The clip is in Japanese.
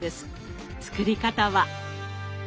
作り方は。